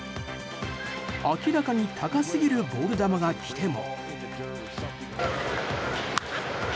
明らかに高すぎるボール球が来ても。